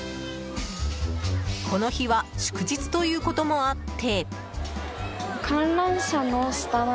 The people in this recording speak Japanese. この日は祝日ということもあって。